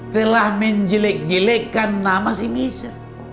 telah menjelek jelekkan nama si misi